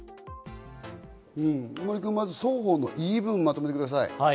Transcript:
森君、まず双方の言い分、まとめてください。